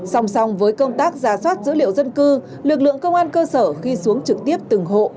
song song với công tác ra soát dữ liệu dân cư lực lượng công an cơ sở khi xuống trực tiếp từng hộ